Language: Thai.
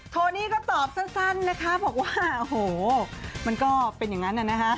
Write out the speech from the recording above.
โทนี่ก็ตอบสั้นนะคะบอกว่าโอ้โหมันก็เป็นอย่างนั้นน่ะนะคะ